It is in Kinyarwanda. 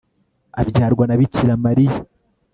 abyarwa na bikira mariya